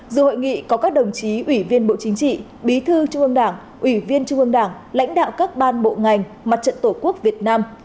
dù hội nghị có các đồng chí ủy viên bộ chính trị bí thư trung ương đảng ủy viên trung ương đảng lãnh đạo các ban bộ ngành mặt trận tổ quốc việt nam